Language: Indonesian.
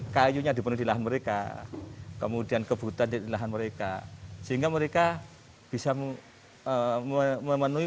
kayunya dipenuhi lah mereka kemudian kebutuhan di lahan mereka sehingga mereka bisa memenuhi